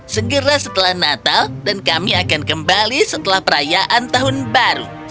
segera setelah natal dan kami akan kembali setelah perayaan tahun baru